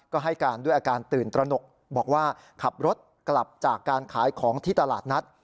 ก็ให้การด้วยอาการตื่นตระหนกบอกว่าขับรถกลับจากการขายของที่ตลาดนัด